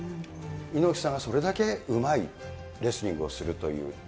猪木さんはそれだけうまいレスリングをするという。